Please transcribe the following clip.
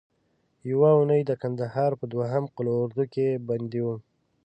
یوه اونۍ د کندهار په دوهم قول اردو کې بندي وم.